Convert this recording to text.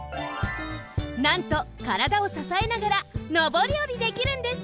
なんとからだをささえながらのぼりおりできるんです！